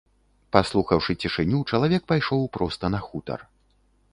Паслухаўшы цішыню, чалавек пайшоў проста на хутар.